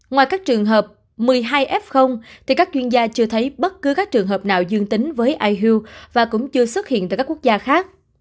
ngoài các trường hợp một mươi hai f các chuyên gia chưa thấy bất cứ các trường hợp nào dương tính với ihu và cũng chưa xuất hiện tại các quốc gia khác